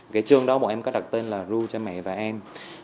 cái chương đó bọn em có đặt tên là ru cha mẹ và em